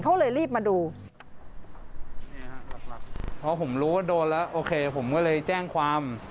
เขาเลยรีบมาดูพอผมรู้ว่าโดนแล้วโอเคผมก็เลยแจ้งความ